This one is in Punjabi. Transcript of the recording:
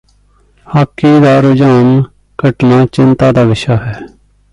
ਹਾਕੀ ਦਾ ਰੁਝਾਨ ਘਟਣਾ ਚਿੰਤਾ ਦਾ ਵਿਸ਼ਾ ਹੈ